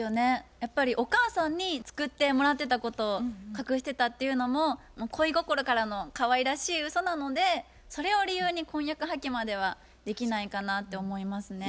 やっぱりお母さんに作ってもらってたことを隠してたっていうのも恋心からのかわいらしいうそなのでそれを理由に婚約破棄まではできないかなって思いますね。